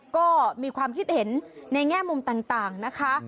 ก็มีความคิดเห็นในแง่มุมต่างนะคะ